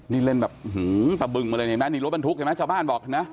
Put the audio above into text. นี่เล่นแบบหื้อตะบึงมาเลยนี่รถบรรทุกเห็นไหมชาวบ้านบอกนะ